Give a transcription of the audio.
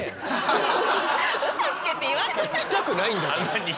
行きたくないんだから。